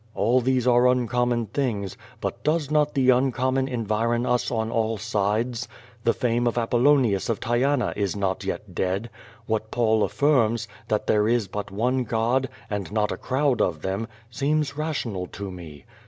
All these arc uncommon things, but does not the uncommon environ us on all sides? The fame of Apollonius of Tyana is not yet dead. What Paul affirms, that there is l)ut one God, and not a crowd of them, seems rational to me.